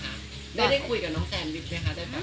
ได้ได้คุยกับน้องแฟนวิทย์ไหมคะ